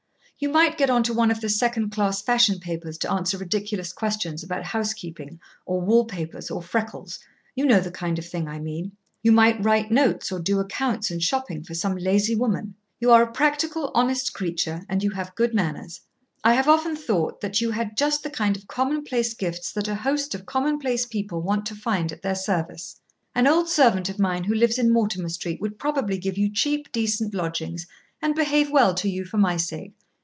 You might get on to one of the second class fashion papers to answer ridiculous questions about house keeping or wall papers or freckles. You know the kind of thing I mean. You might write notes or do accounts and shopping for some lazy woman. You are a practical, honest creature, and you have good manners. I have often thought that you had just the kind of commonplace gifts that a host of commonplace people want to find at their service. An old servant of mine who lives in Mortimer Street would probably give you cheap, decent lodgings, and behave well to you for my sake.